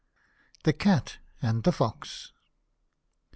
THE CAT AND THE POX.